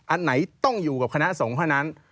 อันไหนต้องอยู่กับคณะสงฆ์เท่านั้น